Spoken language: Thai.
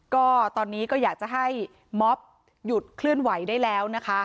ก็ตอนนี้ก็อยากจะให้ม็อบหยุดเคลื่อนไหวได้แล้วนะคะ